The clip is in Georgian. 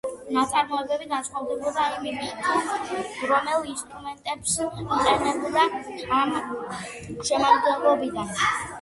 ნაწარმოებები განსხვავდებოდა იმით, თუ რომელ ინსტრუმენტებს იყენებდა ამ შემადგენლობიდან.